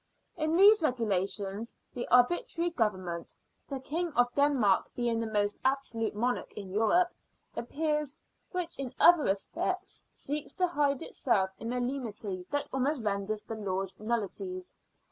In these regulations the arbitrary government the King of Denmark being the most absolute monarch in Europe appears, which in other respects seeks to hide itself in a lenity that almost renders the laws nullities.